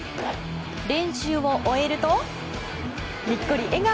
練習を終えるとニッコリ笑顔！